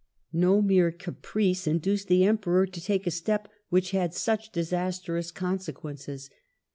No mere cap rice induced the Emperor to take a step which had such disastrous consequences.